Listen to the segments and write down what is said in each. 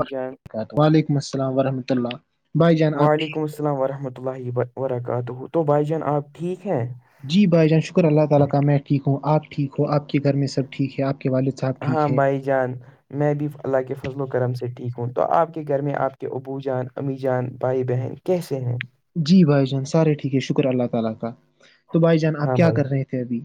بھائی جان وعلیکم السلام ورحمۃ اللہ بھائی جان آپ وعلیکم السلام ورحمۃ اللہ وبرکاتہ تو بھائی جان اپ ٹھیک ہیں جی بھائی جان شکر اللہ تعالی کا میں ٹھیک ہوں اپ ٹھیک ہو اپ کے گھر میں سب ٹھیک ہیں اپ کے والد صاحب ہاں ٹھیک ہے بھائی جان میں بھی اللہ کے فضل و کرم سے ٹھیک ہوں تو آپ کے گھر میں آپ کے ابو جان امی جان بھائی بہن کیسے ہیں جی بھائی جان سارے ٹھیک ہے شکر اللہ تعالی کا تو بھائی جان اپ ہاں کیا بھائی کر رہے تھے ابھی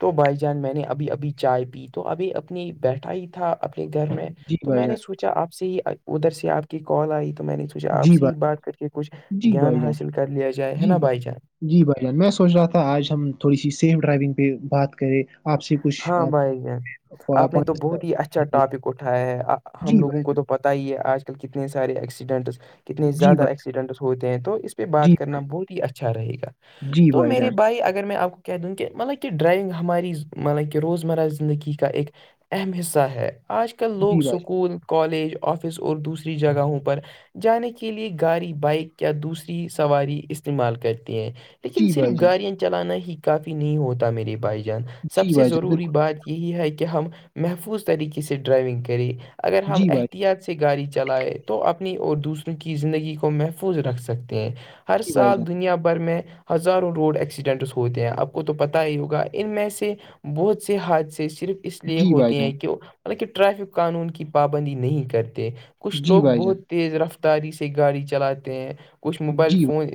تو بائی جان میں نے ابھی ابھی چائے پی تو ابھی اپنی بیٹھا ہی تھا اپنے گھر میں جی تو بھائی میں جان نے سوچا آپ سے ہی ادھر سے آپ کی کال آئی تو میں نے ھ آپ جی سے ہی بھائی بات کر کے کچھ جی گان بھائی جان حاصل کر لیا جائے ہے جی نا بھائی بائی چانس جی بھائی جان میں سوچ رہا تھا آج ہم تھوڑی سی سیف ڈرائیونگ پہ بات کریں آپ سے کچھ ہاں بھائی ج آ، آپ نے تو پانچ- بہت ہی اچھا ٹاپک اٹھایا ہے ہم جی لوگوں بھائی کو تو پتا ہی ہے آج کل کتنے سارے ایکسیڈنٹس کتنے جی زیادہ بھائی ایکسیڈنٹس ہوتے ہیں تو اس پہ جی بات کرنا بھائی بہت ہی اچھا رہے گا جی تو میرے جان بھائی اگر میں آپ کو کیا دوں کہ مطلب کہ ڈرائیونگ ہماری ملب کہ روزمرہ زندگی کا ایک اہم حصہ ہے آج کل لوگ جی بھائی جان سکول کالج آفس اور دوسری جگہوں پر جانے کے لیے گاڑی بائک یا دوسری سواری استعمال کرتی ہیں لیکن جی صرف بھائی جان گاڑیاں چلانا ہی کافی نہیں ہوتا میرے بھائی جان سب جی سے بھائی جان ضروری بالکل بات یہی ہے کہ ہم محفوظ طریقے سے ڈرائیونگ کریں اگر ہم جی بھائی احتیاط سے گاڑی چلائے تو اپنی اور دوسروں کی زندگی کو محفوظ رکھ سکتے ہیں ہر جی بھائی جان سال دنیا بھر میں ہزاروں روڈ ایکسیڈنٹس ہوتے ہیں آپ کو تو پتہ ہی ہوگا ان میں سے بہت سے حاد سےے صرف اس لیے جی بھائی ہوتے جان ہیں کہ حالکہ ٹریفک قانون کی پابندی نہیں کرتے کچھ جی لوگ بھائی جان بہت تیز رفتاری سے گاڑی چلاتے ہیں کچھ موبائل جی بھائی- فون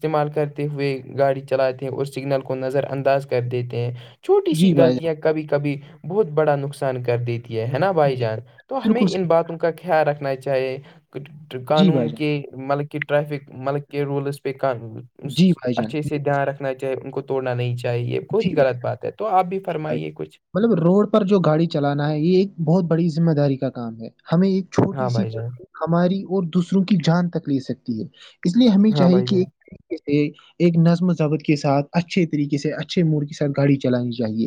استعمال کرتے ہوئے گاڑی چلاتے ہیں اور سگنل کو نظر انداز کر دیتے ہیں چھوٹی سی جی بھائی غلطیاں کبھی کبھی بہت بڑا نقصان کر دیتی ہے نا بھائی جان تو ہمیں بالکل ان صحیح باتوں کا خیال رکھنا چاہیے جی بھائی قانون جان کے ملک کے ریفک ملک کے رولز پے قا جی بھائی جان اچھے سے بالکل دھیان صحیح، رکھنا چاہیے ان کو توڑنا نہیں چاہیے بت ہی جی بھائی غلط بات ہے تو آپ بھی جی بھائی فرمائیے کچھ مطلب روڈ پر جو گاڑی چلانا ہے یہ ایک بہت بڑی ذمہ داری کا کام ہے ہمیں ایک ہاں چھوٹی سی بھائی لڑ جان ہماری اور دوسروں کی جان تک لے سکتی ہے اس لیے ہمیں ہاں چاہیے بھائی کہ جان ایک ایک نظم ضبط کے ساتھ اچھے طریقے سے اچھے موڑ کے ساتھ گاڑی چلانی چاہیے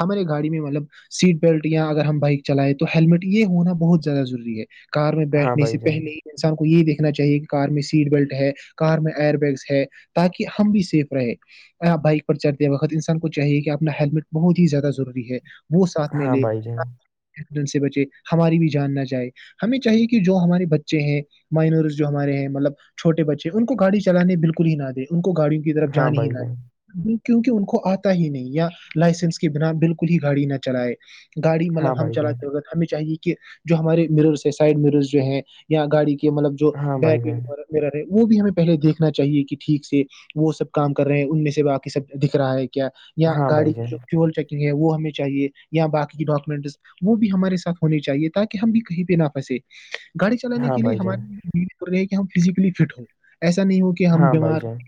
ہمارے گاڑی میں مطلب سیٹ بیلٹ یا اگر ہم بائک چلائیں تو ہیللمٹ یہ ہونا بہت زیادہضوری ہے کار میں ہاں بیٹھنے بھائی سے جان پہنی انسان کو یہی دیکھنا چاہیے کہ کار میں سیٹ بیلٹ ہے کار میں ایئر بیگس ہے تاکہ ہم بھی سیف رہےپ بائک پر چلتے وقت انسان کو چاہیے کہ آپ اپنا ہیلمٹ بہت ہی زیادہ ضروری ہے وہ ساتھ میں ہاں لے بھائی جان ایکسیڈنٹ سے بچے ہماری بھی جان نہ جائے ہمیں چاہیے کہ جو ہمارے بچے ہیں مائنرز جو ہمارے ہیں مطلب چھوے بچے ان کو گاڑی چلان بالکل نہ دیں ان کو گاڑی کو کی طرف ہاں جانانی ہی بھائی نہ جان ج کیونکہ ان کو آتا ہی نہیں یا لائسنس کے بنا بالکل ہی گاڑی نہ چلائے گاڑی مطلب ہاں ہم بھائی جان چلاتے ہو ہمیں چاہیے کہ جو ہمارے مررس ہے سائڈ مرس جو ہیں یا گاڑی کے مطلب جو بییک و مر ہے وہ بھی ہمیں پہلے دیکھنا چاہے کہ ٹھیک سے وہ سب کام کر رہے ہیں ان میں سے باقی سب دکھ رہا ہے کیا یا ہاں بھائی گاڑی کی جان جو فیول چیکنگ ہے وہ ہمیں چاہے یا باقی ڈاکومنٹس وہ بھی ہمارےاتھ ہونی چاہیے تاکہ ہم بھی کہیں پہ نہ پھسے گاڑی چلانے ہاں کے لیے بھائی جان ہماریے رہی ہے کہ ہم فزیکلی فٹ ہ ایسا نہیں ہوتا کہ ہم ہاں بھائی جان ہاں بھائی بیمار ہو جان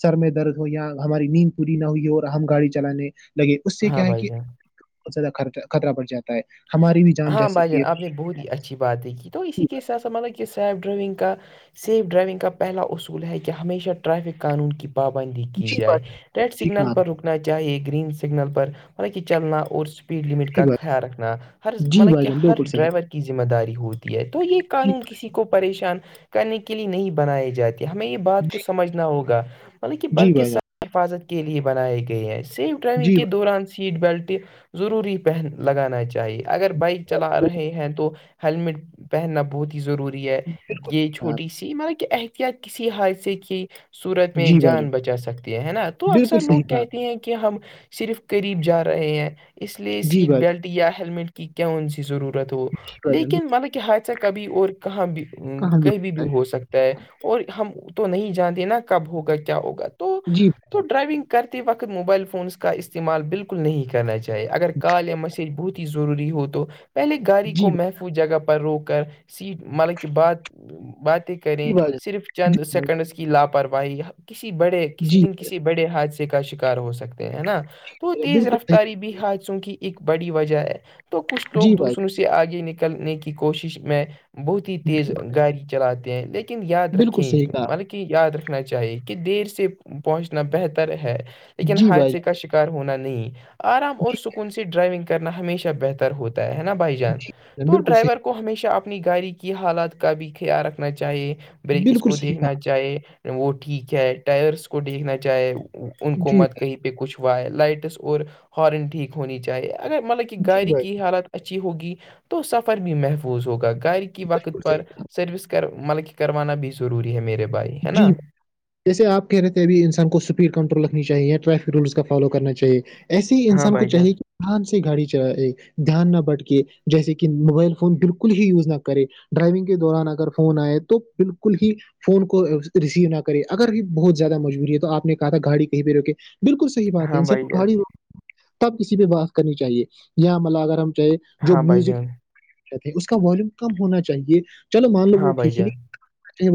سر میں درد ہو یا ہماری نیند پوری نہ ہوئی اور ہم گاڑی چلانے لگے اس سے ہاں کیا ہے بھائی کہ جان زیادہ خطرہ بڑ جاتا ہے ہماری بھی جا ہاں بھائی سکتی جان ہے آپ نے بہت ہی اچھی باتیں کی تو اسی کے س سا مطلب کہ سیف ڈرائیونگ کا سیف ڈرائیونگ کا پہلا اصول ہے کہ ہمیشہ ٹریفک قانون کی پابندی کی جی جائے بات ریڈ ٹھیک سگنل ہے آپ پر رکنے نا چاہیے گرین سگنل پر مطل کہ چلنا اور اسپیڈ لمٹ نے، جی کا بات خیال رکھنا ہر جی مطلب بھائی کہ جان ہر بالکل صحیح ڈرائیور کی ذمہ داری ہوتی ہے تو یہ جی قانون کسی کو پریشان کرنے کے لیے نہیں بنائے جاتے ہمیں یہ بات کو جی سمجھنا ہوگا مطلب کہ جی بلکہ بھائی سب جان حفاظت کے لیے بنائے گئے ہیں سیف ڈرائیونگ جی کے دوران سے سیٹ بیلٹ ضروری پہن لگانا چاہیے اگر بائک بھائی جان، چلا رہے ہیں تو ہیلمٹ پہننا بہت ہی ضروری ہے بالکل بالکل یہ صحیح کہا آپ چھوٹی سی جی مطلب کہ احتیاط کسی حادث کی سورت نے۔ میں جی بھائی جان بچا سکتی ہے ہے نا تو بالکل اکثر لوگ صحیح کہا آپ کہتے نے ہیں کہ ہم صرف قریب جا رہے ہیں اس لیے جی سیٹ بھائی جان بیلٹ یا ہیللمٹ کی کہ کون سی ضرورت ہو جی بھائی جان لیکن بالکل، مطلب کہ حادثہ کبھی اور کہاں بھی کہاں کہیں ہوتا بھی ہو سکتا ہے اور ہم تو نہیں جانتے نا کب ہوگا کیا ہوگا تو ہے۔ جی بھائی تو جان ڈرائیونگ کرتے وقت موبائل فونس کا استعمال بالکل نہیں کرنا چاہیے اگر کال یا میسج بہت ہی ضروری ہو تو پہلے گاڑی جی کو بھائی محفظ جگہ پر روک کر سیٹ مطلب کی باتیں کی جان جی کریں بھائی صرف جان جی چند بھائی سیکنڈس کی لاپرواہی کسی بڑے کسی جی دن کے کسی بڑے حادثے کا شکار ہو سکتے ہیں ہے نا تو تیز رفتاری بھی حادثوں کی ایک بڑی وجہ ہے تو کچھ لوگ بھائی دوسروں سے آگے نکلنے کی کوشش میں بہت ہی تیز جان، گاڑی چلاتے ہیں لیکن یاد بالکل رکھیں صحیح کہا آپ مطلب یاد رکھنا چاہیے کہ دیر سے پہنچنا بہتر ہے نے، لیکن جی بھائی حادثے کا شکر ہونا نہیں آرام اور جان، سکون سے ڈرائیونگ کرنا ہمیشہ بہتر ہوتا ہے نا بھائیک جان تو بالکل صحیح ڈرائیور کو کو ہمیشہ اپنی گاڑی کی حالات کا بھی خیال رکھنا چاہیے کہا آپ نے، جی بھائی جان جی بریکس جی بھائی جان، بالکل صحیح بالکل کو صحیح کہا دیکھنا چاہیے وہ ٹھیک ہے ٹائرس کو دیکھنا چاہے ان آپ نے، کو جی مت بھائی کہیں پہ کچھ وائے لائٹس اور ہارن ٹھیک ہونی چاہیے اگر مطلب کہ گاڑ جی بھائی کی جان، حالت اچھی ہوگی تو سفر بھی محفوظ ہوگا گاڑ کی وقت بالکل صحیح پر سروس کر مطلب کروانا بھی ضروری ہے میرے بائک جی جیسے آ کہ رہے ہیں اب انسان کو اسپیڈ کنٹرول رکھنی چاہی ٹریفک رول کا فالو کرنا چاہے ایسی ہی ہاں انسان کو بھائی جان چاہیے کہ آان سے گاڑی چلائے دھیان نہ بٹکے جیسے کہ موبائل فون بالکل ہی یوز نہ کرے ڈرائیونگ کے دوران اگر فون آئے تو بالکل ہی فون کو ریسیو نہ کرے اگر بہت زیادہ مجبوری ہے تو آپ نے کہ تھا گاڑی کہیں پہ روکے بالکل ہی بات ہے ہاں ان سب بھائی جان کھڑی ہو تب کسی پہ بات کرنی چاہیے یہاں ملب اگر ہم چاہے جو ہاں بھائی میوزک جان کہتے ہیں اس کا والوم کم ہونا چاہیے چلو مان لو ہاں وہ بھائی ٹھیک ہے جان نہیں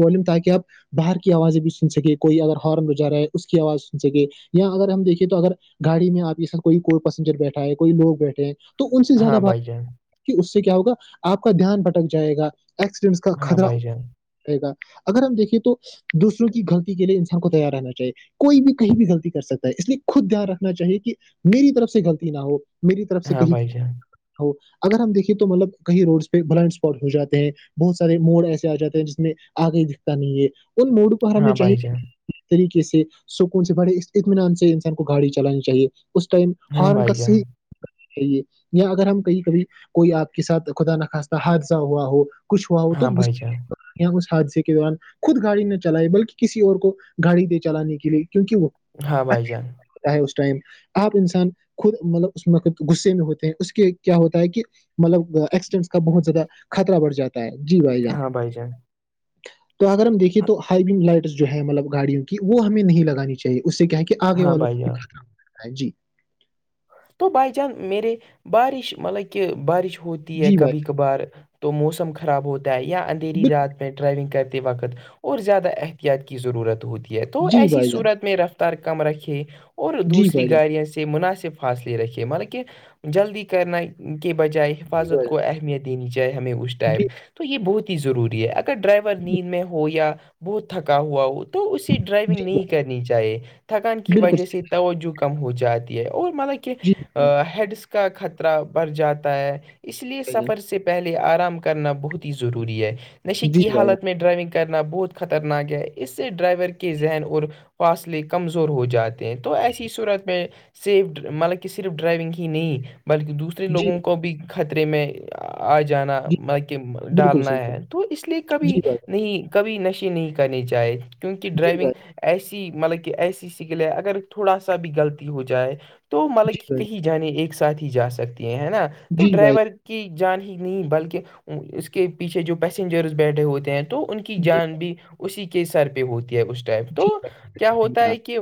بولوں تاکہ آپ باہر کی آوازیں بھی سن سکے کوئی اگر ہارن ہو جا رہا ہے اس کی آواز سن سکے یا اگر ہم دیکھے تو اگر گاڑی میں آپ یہ سر کوئی کوئی پیسینجر بیٹھا ہے کوئی لوگ بیٹھے ہیں ان سے زیادہ ہاں بھائی بات جان کہ اس سے کیا ہوگا آپ کا دھیان بٹک جائے گا ایکسیڈنٹس کا ہاں خطرہ بھائی رہے گا اگر ہم دیکھیے تو تو دوسروں کی غلطی کے لیے انسان کو تیار رہنا چاہیے کوئی بھی کہیں بھی غلطی کر سکتا ہے اس لیے خود دھیان رکھنا چاہیے کہ میری طرف سے غلطی نہ ہو میری طرف سے کہیں جان ہو اگر ہم دیکھے تو مطلب کہیں روڈ پہ بلائڈ اسپاٹ ہو جاتے ہیں بہت سارے موڑ ایسے آ جاتے ہیں جس میں آگے دکھتا نہیں ہے ان موڈ کو ہر ہمیں ہاں بھائی چاہیے جان طریقے سے سکون سے بڑے اطمینان سے انسان کو گاڑی چلانی چاہیے اس ٹائم ہاں ہارم بھائی کس جان ی یا اگر ہم کہیں کبھی کوئی آپ کے ساتھ خدا نخواستہ حادثہ ہوا ہو کچھ ہوا وہ تو ہاں بھائی جان اس حادثے کے دوران خود گاڑی نہ چلائے بلکہ کسی اور کو گاڑی دے چلانے کے لیے کیونک وہ ہاں بھائی جان اس ٹائم آپ انسان خود مطلب اس میںق غصے میں ہوتے ہیں اس کے کیا ہوتا ہے کہ مطلب ایکسیڈینٹس کا بہت زیادہ خطر بڑھ جاتا ہے جی بھائی جان بائی جیں تو اگر ہم دیکے تو ہائی ونگ لائٹس جو ہے مطلب گاڑی کی وہ ہمیں نہیں لگانی چاہیے اس سے کیا کہ آگے ہاں والوں کو بھائی بھی جان خترم ہو جاتا ہے جی تو بائی چان میرے بارش مطلب کہ بارش ہوتی ہے جی بھائی کبھی کبھار تو موسم خراب ہوتا ہے یا اندھیری رات میں ڈرائیونگ کر وقت اور زیادہ احتیاط کی ضرورت ہوتی ہے تو ایسی جان صورت میں رفت کم رکھے اور دوسری گاڑیاں سے مناسب فاصلے رکھیے مطلب کہ جلدی کرنا کے بجائے حفاظت کو اہمیت دینی چاہے ہمیں اس ائم تو یہ بہت ہی ضروری ہے اگر ڈرائیور نیند میں ہو یا بہت تھکا ہوا ہو اسے ڈرائیونگ نہیں کرنی چاہیے تھکان کی بالکل وجہ سے توجہ کا کم ہو جاتی ہے اور مطلب کہ جی بھائی ہیڈس کا خطرہ بڑھ جاتا ہے اس لیے جان سفر سے پہلے آرام کرنا بہت ہی ضروری ہے نشے جی کی بھائی حالت جان میں ڈرائیونگ کرنا بہت خطرناک ہے اس سے ڈرائیور کے ذہن اور فاصلے کمزور ہو جاتے ہیں تو ایسی صورت میں سیف مطلب کہ صرف ڈرائیونگ ہی نہیں بلکہ دوسرے جی بھائی جان جی جی بھائی بالکل صحیح جی بھائی جان جی بھائی جان جی لوگوں کو بھی خطرے میں آ جانا جی مطل کہ بالکل ڈالنا صحیح ہے تو اس لیے بھائی، کبھی جی بھائی نہیں کبھی نشے نہیں کرنی چاہے کیونکہ ڈرائیونگ ایسی مطلب کہ ایسی سگلیں اگر تھوڑا سا بھی غلطی ہو جائے تو مطلب کہ کہیں جانے ایک ساتھ ہی جا سکتی ہیں ہے نا تو ڈرائیور کی جان ہی نہیں بلکہ اس کے پیچھے جو پیسنجرس بیٹھے ہوتے ہیں تو ان کی جان بھی اسی کے سر پہ ہوتی ہے اس ٹائپ تو جی بھائی کیا ہوتا ہے جان، کہ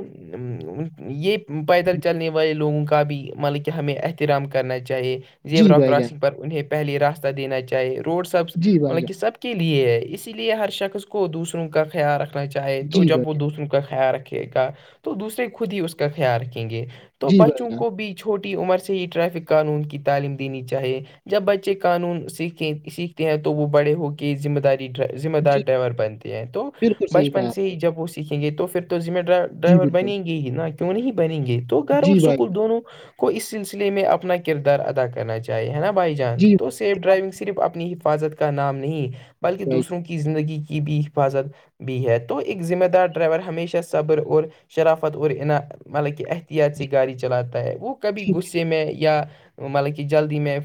یہ پیدل چلنے وال لوگوں کا بھی مطلب کہ ہمیں احترام کرنا چاہیے جی بھائی جان، جی بھائی جان، جی جی بھائی جان، جی زیورا بھائی جان کراسنگ پر انہیں پہلے راستہ دینا چاہے روڈ سب جی بھائی جان مطلب کہ سب کے لیے ہے اسی لیے ہر شخص کو دوسروں کا خیال رکھنا چاہے تو جی بھائی جب وہ جان دوسروں کا خیال رکھ کا تو دوسرے خود ہی اس کا خیال رکھیں گے تو جی بھائی بچوں جان کو بی چھوٹی عمر سے ہی ٹریفک قانون کی تعلیم دینی چاہے جب بچے قانون سیکھیں سیکھتے ہیں تو وہ بڑے ہو کے ذمہ داری ذمہ دار جی ڈرائیور بنتے ہیں تو بالکل صحیح کہا بچپن سے ہی آپ نے جب وہ سیکھیں گے تو پھر تو ذمے ڈرائیور جی ڈرائیور بالکل بنیں گے ہی نہ کیوں نہیں بنیں گے تو گھر اور جی بھائی جان، سکول دونوں کو اس سلسلے میں اپنا کردار ادا کرنا چاہیے نا بھائی جان جی تو سیف ڈرائیونگ صرف اپنی حفاظت کا نام نہیں بلکہ بھائی دوسروں کی زندگی کی بھی حفاظت بھی ہے تو ایک ذمہ دار ڈرائیور ہمیشہ صبر اور شرافت اور ان مطلب کہ احتیاط جان، سےی گاڑی چلاتا ہے وہ کبھی جی گغصے سے میں یا مطلب کہ جلدی میں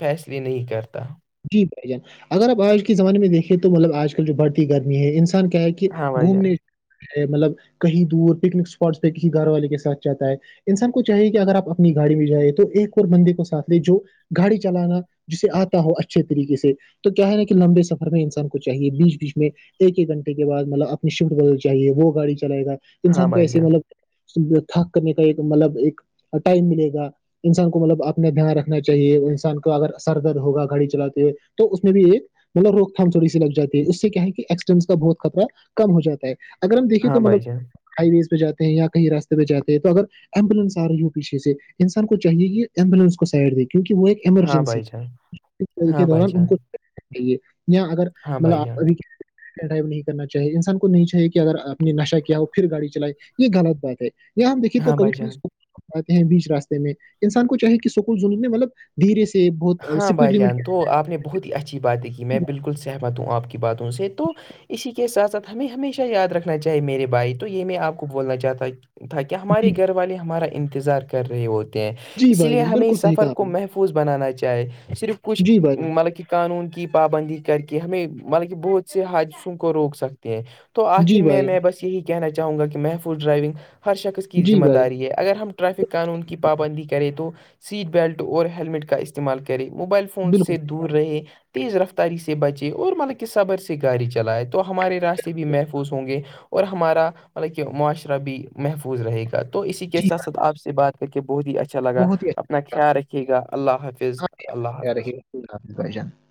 فیصلے نہیں کرتا جی بھائی جان اگر آپ آج کے زمانے میں دیکھیں تو مطلب آج کل جو بڑھتی گرمی ہے انسان کیا ہے کہ ہاں بھائی جان گھومنے مطلب کہیں دور پکنک اسپاٹس پہ کسی گھر والے کے ساتھ جاتا ہے انسان کو چاہیے کہ اگر آپ اپنی گاڑی میں جائیں تو ایک اور بندے کو ساتھ لے جو گاڑی چلانا جسے آتا ہو اچھے طریقے سے تو کیا ہے نا کہ لمبے سفر میں انسان کو چاہیے بیچ بیچ میں ایک ایک گھنٹے کے بعد مطلب اپنی شفٹ کر چاہے وہ گاڑی چلے گا ہاں انسان کو بھائی ایسی جان مطلب تھاک کرنے کا ایک مطلب ایک ٹائم ملے گ انسان کو مطلب اپنا دھیان رکھنا چاہیے انسان کو اگر ار درد ہوگا گھڑی چلاتے ہیں تو اس میں بھی ایک مطلب روک تھام تھوڑی سی لگ جاتی ہے اس سے کیا ہے کہ ایکسیڈس کا بہت خطرہ کم ہو جا ہے اگر ہم دیکھے ہاں تو مطلب بھائی جان ہائی ویز پہ جاتے ہیں یا کہیں راستے پہ جاتے ہیں تو اگر ایمبولینس آ رہی ہو پیھے سے انسان کو چاہیے کہ ایمبولینس کو سائڈ دے کیونکہ وہ ایک ہاں ایمرجنسی بھائی چان کے دوران ان کو چاہیے یہاں اگر ہاں مطلب بھائی آپ جان ابھی ڈرائیو نہیں کرنا چاہے انسان کو نہیں چاہیے کہ اگر اپ نے نشہ کیا ہو پھر گاڑی چلائے یہ گلط بات ہے یااں ہم دیکھے تو ہاں کبھی بھائی جان کبھیولے ہیں بیچ راستے میں انسان کو چاہے کہ سکول جن میں مطلب دھیرے سے بہت ہاں اسپیڈ بھائی لمٹ جان کے۔ تو آپ نے بہت ہی اچھی باتیں کی میں بالکل سہمت ہوں آپ کی باتوں سے تو اسی کے ساتھ ساتھ ہمیں ہمیشہ یاد رکھنا چاہیے میرے بھائی تو یہ میں آپ کو بولنا چاہتا تھا کہ ہمارے جی گھر والے ہمارا انتظار کر رہے ہوتے ہیں جی اسی بھائی لیے جان ہمیں بالکل صحیح سفر کہا آپ کو نے محفوظ محفوظ بنانا چاہے صرف کچھ جی بھائی جان مطلب کہ قانون کی پابندی کر کے ہمیں مطلب کہ بہت سے حادثوں کو روک سکتے ہیں تو جی آخر میں بھائی جان میں بس یہی کہنا چاہوں گا کہ محفوظ ڈرائیونگ ہر شخص کی جی ذمہ بھائی جان داری ہے اگر ہم ٹریفک قانون کی پابندی کریں تو سیٹ بیلٹ اور ہیللمٹ کا استعمال کریں موبائل فون بالکل سے صحیح کہا دور رہے تیز رفتاری سے بچے اور مطلب کہ صبر سے گاڑی چلائے تو ہمارے راستے بھی محفوظ ہوں گے اور ہمارا مطلب کہ معاشرہ بھی محفوظ رہے گا تو اسی کے جی ساتھ ساتھ آپ سے بات کر کے بہت ہی اچھا لگا بہت ہی اپنا خیال رکے گا اللہ‌ حافظ اللہ حافظ [unintelligible] [inaudible]